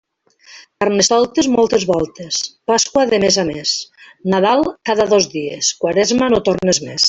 Carnestoltes moltes voltes, Pasqua de mes a més, Nadal cada dos dies, Quaresma, no tornes més.